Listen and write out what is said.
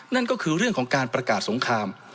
นั่นก็คือเรื่องของการประกาศสงคราม